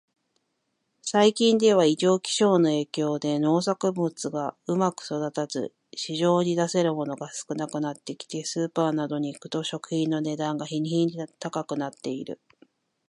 最近では、異常気象の影響で農作物がうまく育たず、市場に出せるものが少なくなってきて、スーパーなどに行くと食品の値段が日に日に高くなっている。